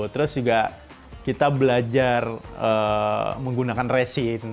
terus juga kita belajar menggunakan resin